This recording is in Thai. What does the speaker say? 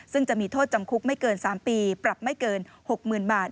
ซึ่งจะมีโทษจำคุกไม่เกิน๓ปีปรับไม่เกิน๖๐๐๐บาท